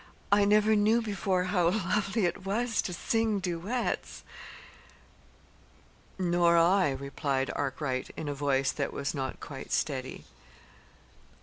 "I never knew before how lovely it was to sing duets." "Nor I," replied Arkwright in a voice that was not quite steady.